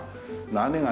何が？